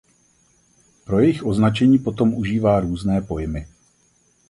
Pro jejich označení potom užívá různé pojmy.